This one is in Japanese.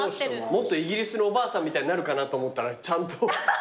もっとイギリスのおばあさんみたいになるかなと思ったらちゃんと。